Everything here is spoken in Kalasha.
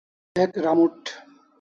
Ek ra mut'